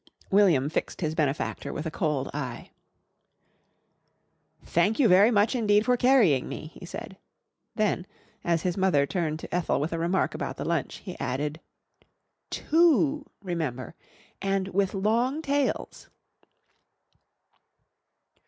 William fixed his benefactor with a cold eye. "Thank you very much indeed for carrying me," he said. Then, as his mother turned to Ethel with a remark about the lunch, he added. "Two, remember, and, with long tails!"